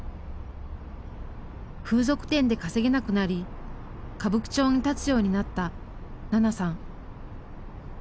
風俗店で稼げなくなり歌舞伎町に立つようになったななさん。